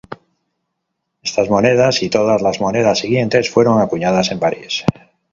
Estas monedas, y todas las monedas siguientes, fueron acuñadas en París.